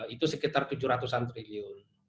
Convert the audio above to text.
itu sekitar tujuh ratus an triliun